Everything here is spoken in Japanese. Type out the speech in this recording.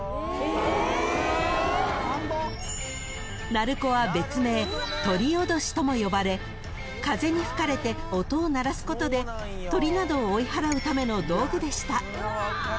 ［鳴子は別名鳥おどしとも呼ばれ風に吹かれて音を鳴らすことで鳥などを追い払うための道具でした］